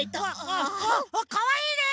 かわいいね！